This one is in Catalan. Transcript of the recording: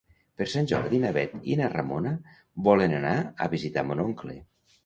Per Sant Jordi na Bet i na Ramona volen anar a visitar mon oncle.